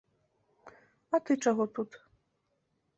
А ты чаго тут?